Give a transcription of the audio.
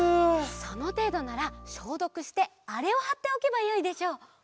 そのていどならしょうどくしてあれをはっておけばよいでしょう。